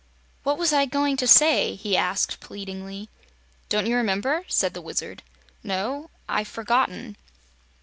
"What was I going to say?" he asked, pleadingly. "Don't you remember?" said the Wizard. "No; I've forgotten."